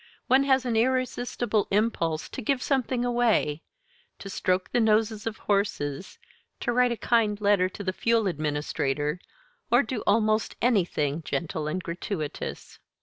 One has an irresistible impulse to give something away, to stroke the noses of horses, to write a kind letter to the fuel administrator or do almost anything gentle and gratuitous.